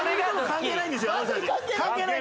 関係ないんですはい。